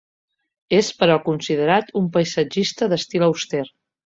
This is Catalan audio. És però considerat un paisatgista d'estil auster.